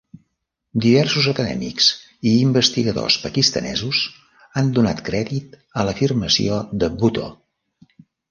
Diversos acadèmics i investigadors pakistanesos han donat crèdit a l'afirmació de Bhutto.